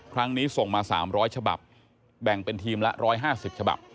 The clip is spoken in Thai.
ครั้งนี้ส่งมา๓๐๐ฉบับแบ่งเป็นทีมละ๑๕๐ฉบับ